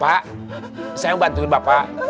pak saya mau bantuin bapak